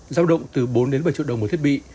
giao động từ bốn bảy triệu đồng mỗi thiết bị